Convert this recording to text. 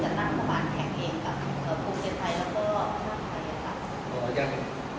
หรือก็เทียนไทยนะคะ